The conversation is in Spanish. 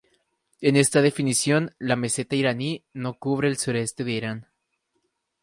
En esta definición, la meseta iraní no cubre el suroeste de Irán.